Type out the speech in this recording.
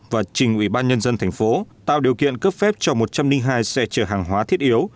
và trình ủy ban nhân dân thành phố tạo điều kiện cấp phép cho một trăm linh hai xe chở hàng hóa thiết yếu